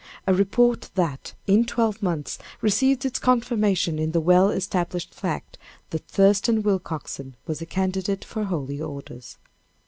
A report that, in twelve months, received its confirmation in the well established fact that Thurston Willcoxen was a candidate for holy orders.